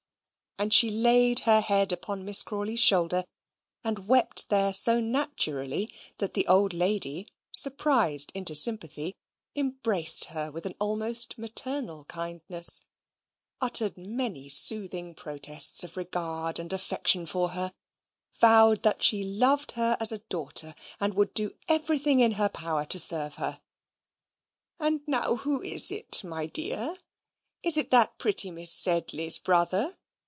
And she laid her head upon Miss Crawley's shoulder and wept there so naturally that the old lady, surprised into sympathy, embraced her with an almost maternal kindness, uttered many soothing protests of regard and affection for her, vowed that she loved her as a daughter, and would do everything in her power to serve her. "And now who is it, my dear? Is it that pretty Miss Sedley's brother?